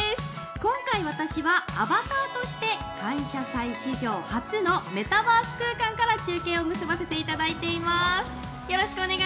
今回私はアバターとして「感謝祭」史上初のメタバース空間から中継を結ばせていただいてます。